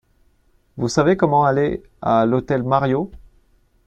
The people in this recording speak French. Vous savez comment aller à l’hôtel Mariott ?